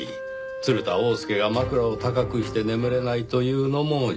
鶴田翁助が枕を高くして眠れないというのも事実。